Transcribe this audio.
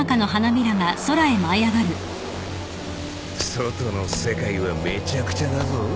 外の世界はめちゃくちゃだぞ。